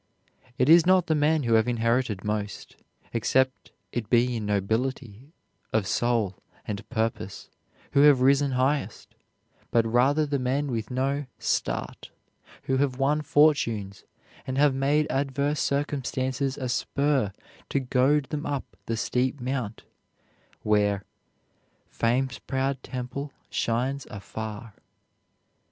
It is not the men who have inherited most, except it be in nobility of soul and purpose, who have risen highest; but rather the men with no "start" who have won fortunes, and have made adverse circumstances a spur to goad them up the steep mount, where "Fame's proud temple shines afar."